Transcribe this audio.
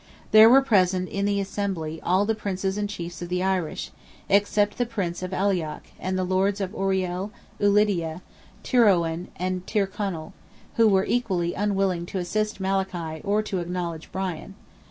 There were present at the Assembly all the princes and chiefs of the Irish, except the Prince of Aileach, and the Lords of Oriel, Ulidia, Tyrowen and Tyrconnell, who were equally unwilling to assist Malachy or to acknowledge Brian.